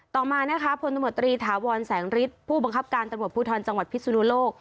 ต่อมานะคะพลตำรวจตรีถาวรแสงฤทธิ์ผู้บังคับการตำรวจภูทรจังหวัดพิสุนุโลก